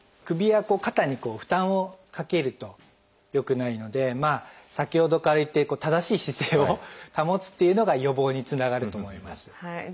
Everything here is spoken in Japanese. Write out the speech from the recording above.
首や肩に負担をかけるとよくないので先ほどから言ってる正しい姿勢を保つっていうのが予防につながると思います。